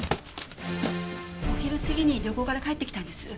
お昼過ぎに旅行から帰って来たんです。